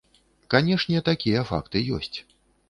Канешне, такія факты ёсць.